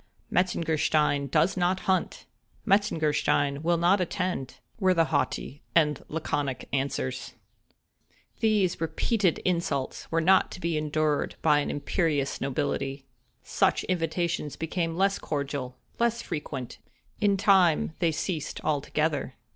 —"Metzengerstein does not hunt;" "Metzengerstein will not attend," were the haughty and laconic answers. These repeated insults were not to be endured by an imperious nobility. Such invitations became less cordial—less frequent—in time they ceased altogether.